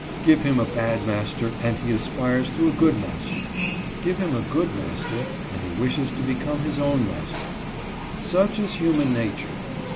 Give him a bad master and he aspires to a good master ; give him a good master, and he wishes to become his own master. Such is human nature.